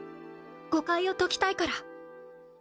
誤解を解きたいから。